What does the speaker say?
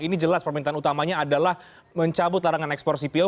ini jelas permintaan utamanya adalah mencabut larangan ekspor cpo